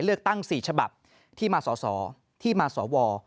เลือกตั้ง๔ฉบับที่มาสอสอที่มาสว